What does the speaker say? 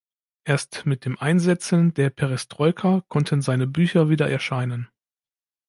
Erst mit dem Einsetzen der Perestroika konnten seine Bücher wieder erscheinen.